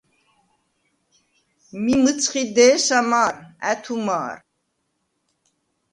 მი მჷცხი დე̄სა მა̄რ, ა̈თუ მა̄რ.